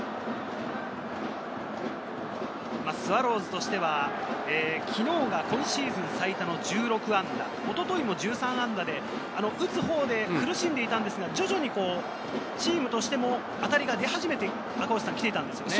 スワローズとしては、昨日が今シーズン最多の１６安打、おとといも１３安打で、打つほうで苦しんでいたんですが、徐々にチームとしても当たりが出始めてきていたんですよね。